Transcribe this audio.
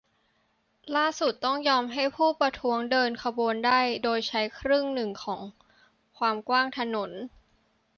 ล่าสุดต้องยอมให้ผู้ประท้วงเดินขบวนได้โดยใช้ครึ่งหนึ่งของความกว้างถนน